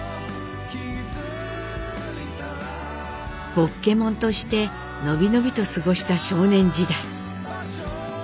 「ぼっけもん」として伸び伸びと過ごした少年時代。